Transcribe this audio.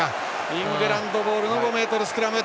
イングランドボールの５ｍスクラム。